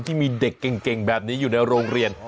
ที่มีเด็กเก่งแบบนี้อยู่ในโรงเรียน